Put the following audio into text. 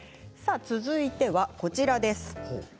続いてはこちらです。